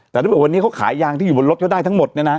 แต่ว่าวันนี้เขาขายยางที่อยู่บนรถเท่าได้ทั้งหมด